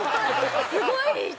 すごい人。